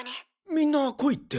みんな来いって。